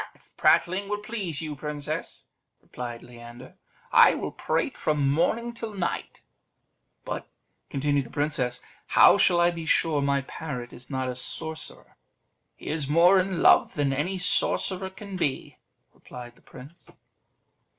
"Ah! if prattling will please you, princess," replied Leander, "I will prate from morning till night." "But," continued the princess, "how shall I be sure my parrot is not a sorcerer?" "He is more in love than any sorcerer can be," replied the prince.